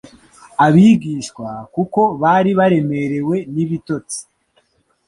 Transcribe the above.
Abigishwa, kuko bari baremerewe n'ibitotsi,